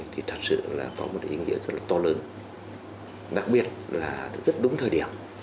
thì thật sự có một ý nghĩa rất to lớn đặc biệt là rất đúng thời điểm